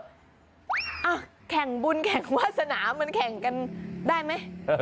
แข่งบุญแข่งวาสนามันแข่งกันได้ไหม